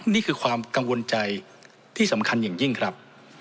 นี่คือความกังวลใจที่สำคัญอย่างยิ่งครับ